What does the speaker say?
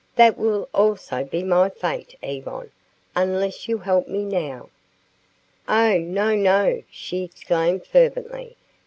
That will also be my fate, Yvonne, unless you help me now." "Oh, no, no!" she exclaimed fervently.